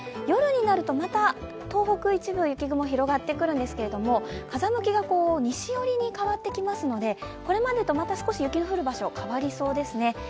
夜になるとまた東北の一部に雪雲が広がってくるんですけど、風向きが西寄りに変わってきますのでこれまでとまた少し雪の降る場所が変わりそうですね。